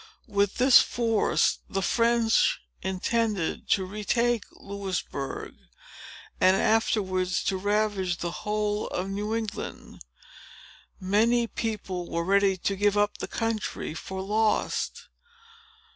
With this force, the French intended to retake Louisbourg, and afterwards to ravage the whole of New England. Many people were ready to give up the country for lost.